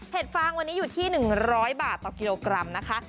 ฟางวันนี้อยู่ที่๑๐๐บาทต่อกิโลกรัมนะคะ